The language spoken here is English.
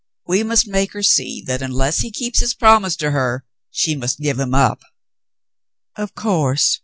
We must make her see that unless he keeps his promise to her, she must give him up." "Of course.